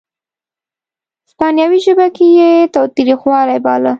هسپانوي ژبه کې یې تاوتریخوالی باله.